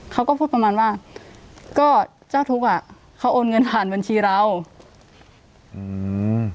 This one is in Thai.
เขาก็พูดประมาณว่าก็เจ้าทุกข์อ่ะเขาโอนเงินผ่านบัญชีเราอืม